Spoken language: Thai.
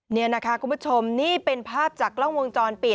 นี่นะคะคุณผู้ชมนี่เป็นภาพจากกล้องวงจรปิด